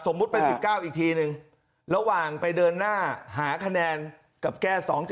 สมมุติเป็น๑๙อีกทีหนึ่งระหว่างไปเดินหน้าหาคะแนนกับแก้๒๗๒